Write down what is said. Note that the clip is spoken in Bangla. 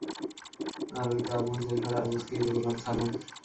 আর ঐ তো আবু হুযাইফার আযাদকৃত গোলাম সালেম।